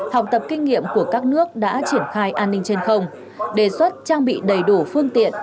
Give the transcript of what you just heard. học tập kinh nghiệm của các nước đã triển khai an ninh trên không đề xuất trang bị đầy đủ phương tiện